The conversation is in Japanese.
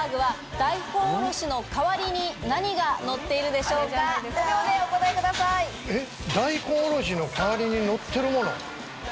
大根おろしの代わりにのってるもの？